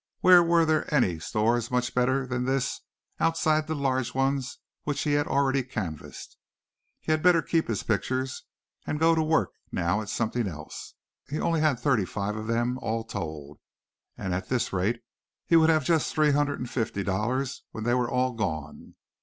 Where were there any stores much better than this outside the large ones which he had already canvassed. He had better keep his pictures and go to work now at something else. He only had thirty five of them all told and at this rate he would have just three hundred and fifty dollars when they were all gone.